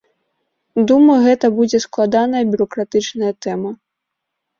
Думаю, гэта будзе складаная бюракратычная тэма.